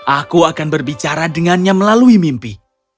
aku akan berbicara dengannya melalui mimpi